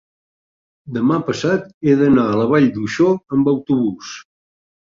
Demà passat he d'anar a la Vall d'Uixó amb autobús.